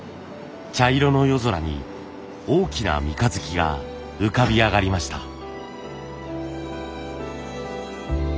茶色の夜空に大きな三日月が浮かび上がりました。